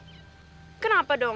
jadi kenapa dong